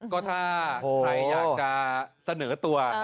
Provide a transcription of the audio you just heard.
ก็ถ้าใครอยากจะเสนอตัว